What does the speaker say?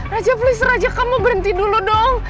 raja fliser raja kamu berhenti dulu dong